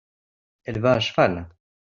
elle va à cheval.